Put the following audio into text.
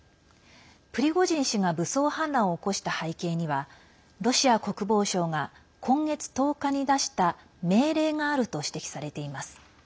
プリゴジン氏が武装反乱を起こした背景にはロシア国防省が今月１０日に出した命令があると指摘されています。